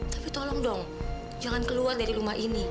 tapi tolong dong jangan keluar dari rumah ini